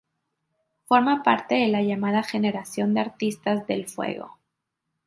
Forma parte de la llamada generación de artistas del fuego.